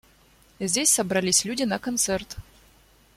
Здесь собрались люди на концерт.